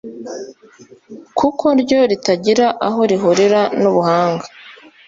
kuko ryo ritagira aho rihurira n’Ubuhanga.